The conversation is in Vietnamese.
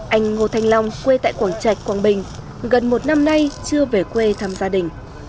anh ngô thanh long quê tại quảng trạch quảng bình gần một năm nay chưa về quê thăm gia đình